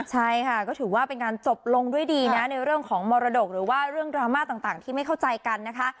ใช่ค่ะก็ถือว่าเป็นงานจบลงด้วยดีนะในเรื่องของมรดกหรือว่าเรื่องดราม่าต่างที่ไม่เข้าใจกันนะคะ